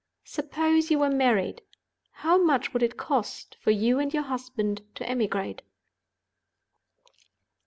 Suppose you were married—how much would it cost for you and your husband to emigrate?"